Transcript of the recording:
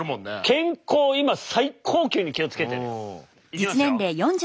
健康今最高級に気を付けてるよ。いきますよ。